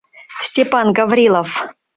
Степан Гаврилов.